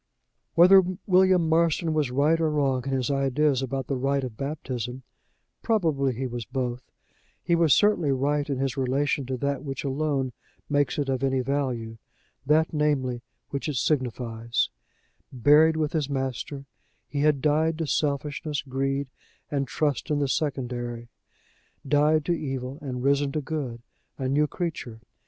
Whether William Marston was right or wrong in his ideas about the rite of baptism probably he was both he was certainly right in his relation to that which alone makes it of any value that, namely, which it signifies; buried with his Master, he had died to selfishness, greed, and trust in the secondary; died to evil, and risen to good a new creature.